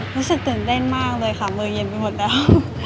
รู้สึกตื่นเต้นมากเลยค่ะมือเย็นไปหมดแล้ว